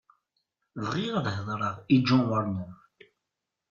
Bɣiɣ ad hedreɣ i John Warner.